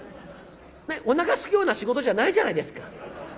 おなかすくような仕事じゃないじゃないですか。